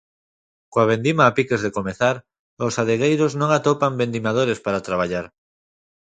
Coa vendima a piques de comezar, os adegueiros non atopan vendimadores para traballar.